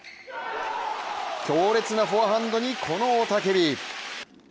強烈なフォアハンドにこの雄たけび。